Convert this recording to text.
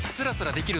できてる！